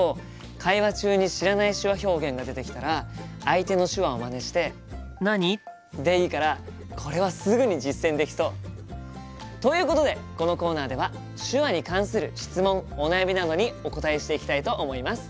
会話中に知らない手話表現が出てきたら相手の手話をまねして「何？」でいいからこれはすぐに実践できそう。ということでこのコーナーでは手話に関する質問お悩みなどにお答えしていきたいと思います！